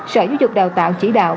sở giáo dục đào tạo chỉ đạo